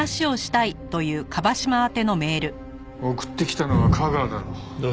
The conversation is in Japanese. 送ってきたのは架川だろう。